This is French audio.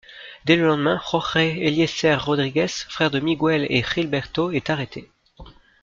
Dès le lendemain, Jorge Eliécer Rodriguez, frère de Miguel et Gilberto, est arrêté.